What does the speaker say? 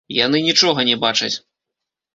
Яны нічога не бачаць!